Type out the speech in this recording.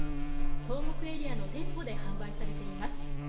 東北エリアの店舗で販売されています。